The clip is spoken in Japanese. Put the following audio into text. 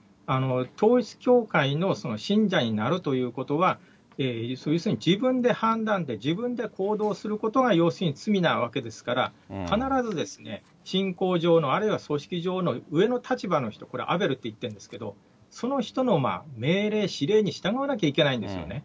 統一教会の信者になるということは、要するに、自分で判断で、自分で行動することが要するに罪なわけですから、必ず信仰上の、あるいは組織上の上の立場の人、これアベルっていってるんですけれども、その人の命令、指令に従わなきゃいけないんですよね。